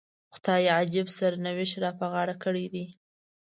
خدای عجیب سرنوشت را په غاړه کړی دی.